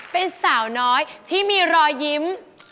เป็นสาวน้อยที่มีรอยยิ้ม